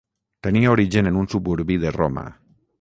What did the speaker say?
Tenia origen en un suburbi de Roma.